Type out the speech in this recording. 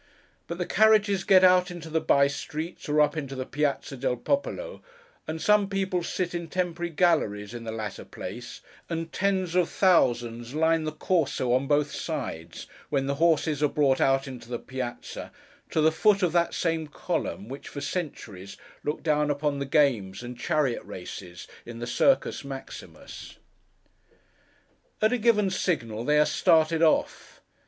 But the carriages get out into the by streets, or up into the Piázza del Popolo, and some people sit in temporary galleries in the latter place, and tens of thousands line the Corso on both sides, when the horses are brought out into the Piázza—to the foot of that same column which, for centuries, looked down upon the games and chariot races in the Circus Maximus. At a given signal they are started off.